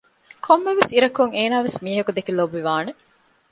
ކޮންމެވެސް އިރަކުން އޭނާވެސް މީހަކު ދެކެ ލޯބިވާނެ